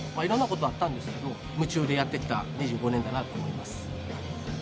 いろんなことあったんですけど夢中でやってきた２５年だなと。